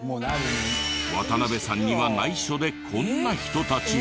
渡邉さんには内緒でこんな人たちが。